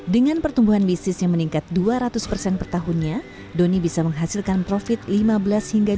dengan pertumbuhan bisnis yang meningkat dua ratus per tahunnya doni bisa menghasilkan profit lima belas hingga dua puluh dari omset per bulan di setiap outlet